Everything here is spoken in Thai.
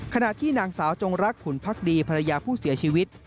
ขณะที่นางสาวจงรักขุนพักดีภรรยาผู้เสียชีวิต